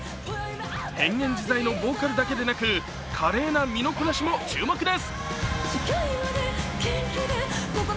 変幻自在のボーカルだけでなく華麗な身のこなしも注目です。